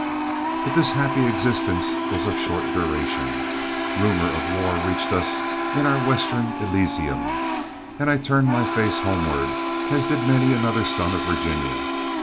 But this happy existence was of short duration. Rumors of war reached us in our western elysium, and I turned my face homeward, as did many another son of Virginia.